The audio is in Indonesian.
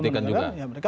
harus membuktikan juga